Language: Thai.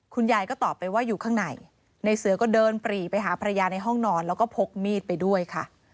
ยายก็ตอบไปว่าอยู่ข้างในในเสือก็เดินปรีไปหาภรรยาในห้องนอนแล้วก็พกมีดไปด้วยค่ะ